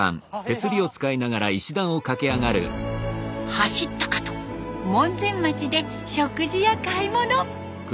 走ったあと門前町で食事や買い物。